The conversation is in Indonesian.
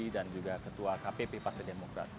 dan juga ketua kpp partai demokrat